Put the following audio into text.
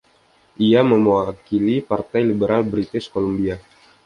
Ia mewakili Partai Liberal British Columbia.